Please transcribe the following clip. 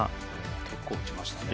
結構きましたね。